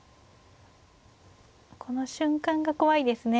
この瞬間が怖いですね。